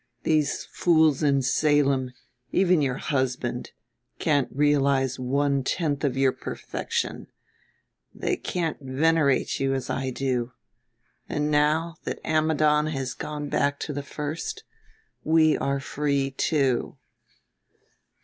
These fools in Salem, even your husband, can't realize one tenth of your perfection; they can't venerate you as I do. And now that Ammidon has gone back to the first, we are free too."